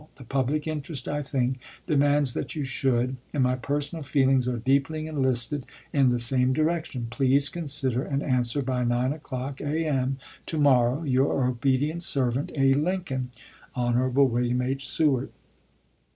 The public interest, I think, demands that you should ; and my personal feelings are deeply enlisted in the same direction. Please consider and answer by 9 o'clock a. m. to morrow. Your obedient servant, tt to tt « A. Lincoln. ms. Hon. William H. Seward.